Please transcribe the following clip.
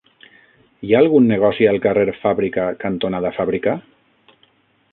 Hi ha algun negoci al carrer Fàbrica cantonada Fàbrica?